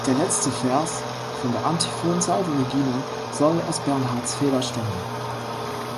Der letzte Vers von der Antiphon "Salve Regina" soll aus Bernhards Feder stammen.